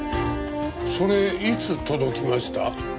それいつ届きました？